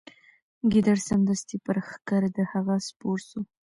ګیدړ سمدستي پر ښکر د هغه سپور سو